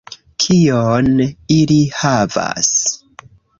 Kion ili havas